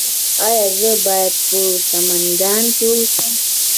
ایا زه باید په سمنګان کې اوسم؟